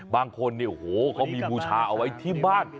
บางคนเนี่ยโอ้โหเขามีบูชาเอาไว้ที่บ้าน